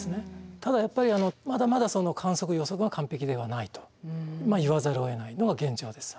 ただやっぱりまだまだその観測予測は完璧ではないと言わざるをえないのは現状です。